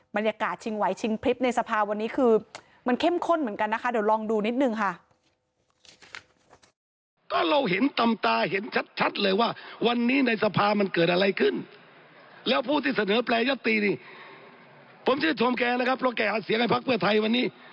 บรรยากาศชิงไหวชิงพลิบในสภาวันนี้คือมันเข้มข้นเหมือนกันนะคะเดี๋ยวลองดูนิดนึงค่ะ